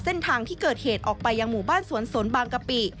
เส้นทางที่เกิดเหตุออกไปยังหมู่บ้านสวนสนบางกะปิ